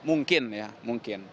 mungkin ya mungkin